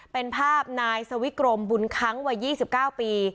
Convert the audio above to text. เป็นภาพนายสวิกรมบุญค้างวัย๒๙ปี